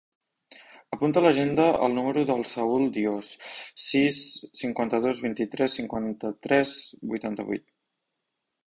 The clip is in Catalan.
Apunta a l'agenda el número del Saül Dios: sis, cinquanta-dos, vint-i-tres, cinquanta-tres, vuitanta-vuit.